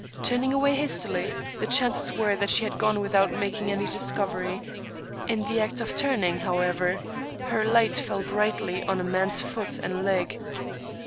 Turning away hastily, the chances were that she had gone without making any discovery. In the act of turning, however, her light fell brightly on a man's foot and leg.